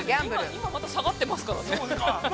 ◆今また下がってますからね。